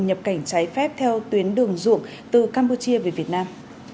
nhập cảnh trái phép theo tuyến đường ruộng từ campuchia về việt nam